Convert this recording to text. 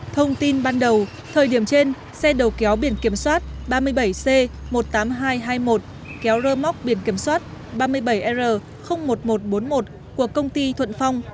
thông tin ban đầu thời điểm trên xe đầu kéo biển kiểm soát ba mươi bảy c một mươi tám nghìn hai trăm hai mươi một kéo rơ móc biển kiểm soát ba mươi bảy r một nghìn một trăm bốn mươi một của công ty thuận phong